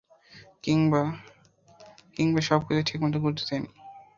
কিংবা সবকিছুকে ঠিকমতো গুরুত্ব দেইনি?